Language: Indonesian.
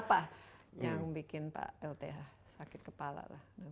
apa yang bikin pak lth sakit kepala lah